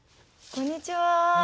こんにちは。